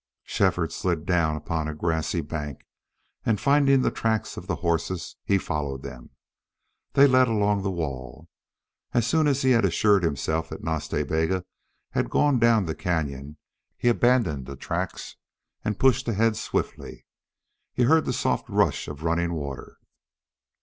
Shefford slid down upon a grassy bank, and finding the tracks of the horses, he followed them. They led along the wall. As soon as he had assured himself that Nas Ta Bega had gone down the cañon he abandoned the tracks and pushed ahead swiftly. He heard the soft rush of running water.